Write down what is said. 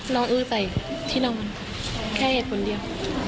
น้องเอื้อใสว่าเองแค่เหตุผลเดียว